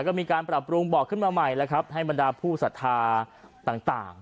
ก็มีการปรับปรุงบอกขึ้นมาใหม่แล้วครับให้บรรดาผู้ศรัทธาต่าง